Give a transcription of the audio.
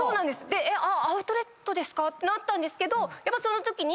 アウトレットですか⁉ってなったんですけどそのときに。